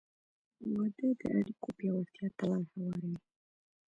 • واده د اړیکو پیاوړتیا ته لار هواروي.